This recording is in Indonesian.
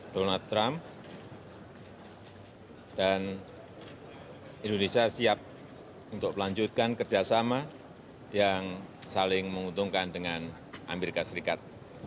donald trump dan indonesia siap untuk melanjutkan kerjasama yang saling menguntungkan dengan amerika serikat